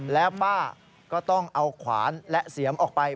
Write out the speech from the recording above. แล้วป้าก็ต้องเอาขวานและเสียมออกไป